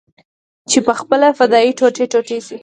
چې پخپله فدايي ټوټې ټوټې سي.